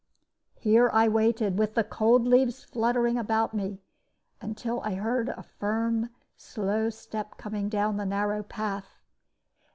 "Here I waited, with the cold leaves fluttering around me, until I heard a firm, slow step coming down the narrow path.